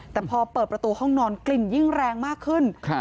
แต่พอเปิดประตูห้องนอนกลิ่นยิ่งแรงมากขึ้น